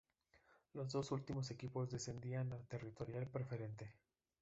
Los dos últimos equipos descienden a Territorial Preferente.